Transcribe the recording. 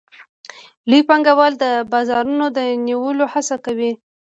لوی پانګوال د بازارونو د نیولو هڅه کوي